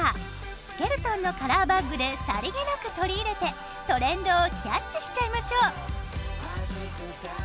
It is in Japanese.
スケルトンのカラーバッグでさりげなく取り入れてトレンドをキャッチしちゃいましょう。